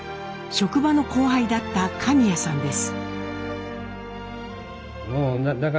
職場の後輩だった神谷さんです。